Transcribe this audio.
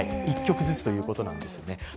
１局ずつということなんですね。